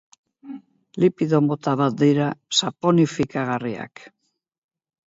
Lipido mota bat dira, saponifikagarriak.